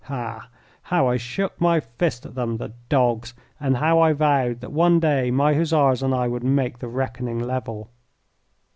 Ha! how I shook my fist at them, the dogs, and how I vowed that one day my Hussars and I would make the reckoning level!